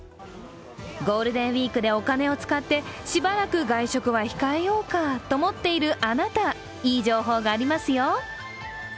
ゴールデンウイークでお金を使ってしばらく外食は控えようかと思っているあなた、いい情報がありますよ。